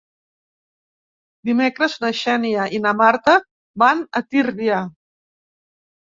Dimecres na Xènia i na Marta van a Tírvia.